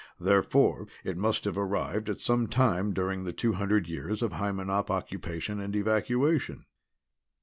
Therefore it must have arrived at some time during the two hundred years of Hymenop occupation and evacuation."